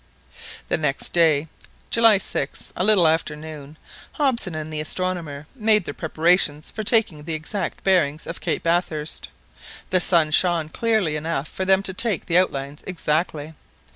The next day, July 6th, a little after noon, Hobson and the astronomer made their preparations for taking the exact bearings of Cape Bathurst. The sun shone clearly enough for them to take the outlines exactly.